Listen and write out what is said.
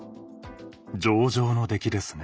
上々の出来ですね。